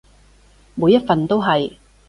每一份都係